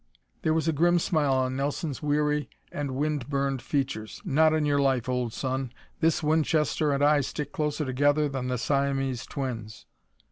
There was a grim smile on Nelson's weary and wind burned features. "Not on your life, old son! This Winchester and I stick closer together than the Siamese twins."